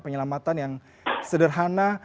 penyelamatan yang sederhana